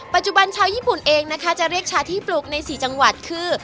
ปัจจุบันชาวญี่ปุ่นเองนะคะจะเรียกชาที่ปลูกใน๔จังหวัดคือ